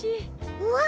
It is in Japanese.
うわ！